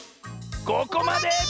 ここまで！